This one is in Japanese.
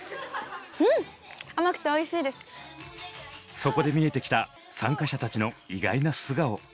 そこで見えてきた参加者たちの意外な素顔。